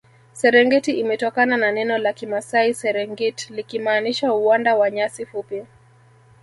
serengeti imetokana na neno la kimasai serengit likimaanisha uwanda wa nyasi fupi